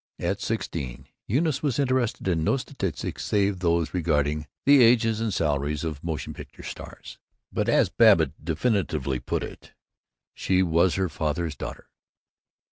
At sixteen Eunice was interested in no statistics save those regarding the ages and salaries of motion picture stars, but as Babbitt definitively put it "she was her father's daughter."